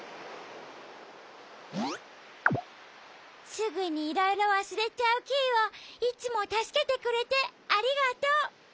すぐにいろいろわすれちゃうキイをいつもたすけてくれてありがとう。